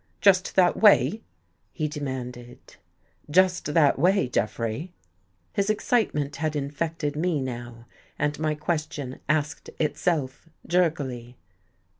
Just that way? " he demanded. " Just that way, Jeffrey." His excitement had in fected me now, and my question asked itself jerkily.